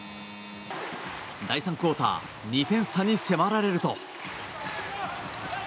第３クオーター２点差に迫られると。